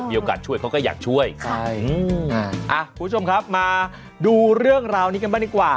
มีโอกาสช่วยเขาก็อยากช่วยใช่อืมอ่าคุณผู้ชมครับมาดูเรื่องราวนี้กันบ้างดีกว่า